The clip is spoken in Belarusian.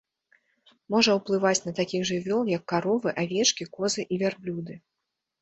Можа ўплываць на такіх жывёл як каровы, авечкі, козы і вярблюды.